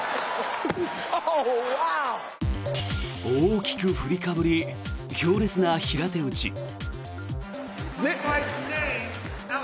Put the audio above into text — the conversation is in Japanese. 大きく振りかぶり強烈な平手打ち。